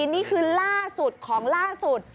นี่คือล่าสุดของล่าสุด